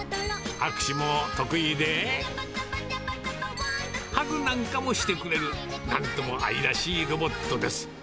握手も得意で、ハグなんかもしてくれる、なんとも愛らしいロボットです。